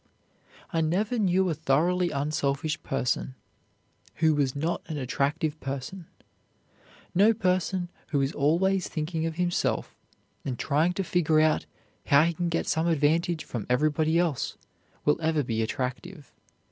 I never knew a thoroughly unselfish person who was not an attractive person. No person who is always thinking of himself and trying to figure out how he can get some advantage from everybody else will ever be attractive.